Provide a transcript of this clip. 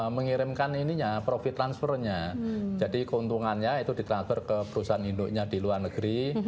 mengirimkan ininya profit transfernya jadi keuntungannya itu ditransfer ke perusahaan induknya di luar negeri